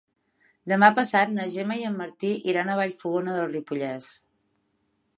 Demà passat na Gemma i en Martí iran a Vallfogona de Ripollès.